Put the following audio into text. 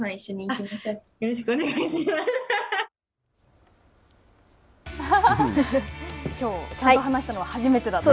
きょうちゃんと話したのは初めてだと。